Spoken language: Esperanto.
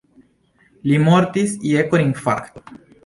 Li mortis je korinfarkto.